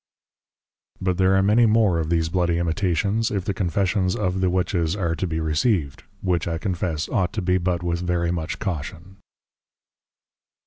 But there are many more of these Bloody Imitations, if the Confessions of the Witches are to be Received; which I confess, ought to be but with very much Caution.